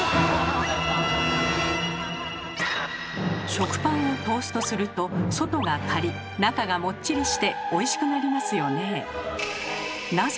食パンをトーストすると外がカリッ中がもっちりしておいしくなりますよね。